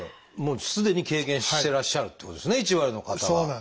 もうすでに経験してらっしゃるっていうことですね１割の方は。